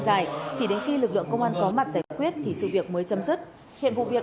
dài chỉ đến khi lực lượng công an có mặt giải quyết thì sự việc mới chấm dứt hiện vụ việc